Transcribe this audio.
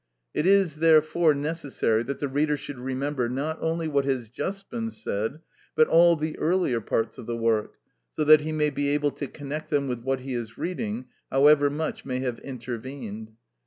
It is, therefore, necessary that the reader should remember not only what has just been said, but all the earlier parts of the work, so that he may be able to connect them with what he is reading, however much may have intervened.